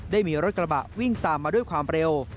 ได้มีรถกระบะวิ่งตามมาด้วยความเร็ว